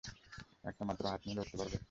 একটা মাত্র হাত নিয়ে লড়তে পারবে?